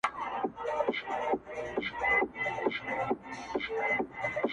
بېگاه د شپې وروستې سرگم ته اوښکي توئ کړې.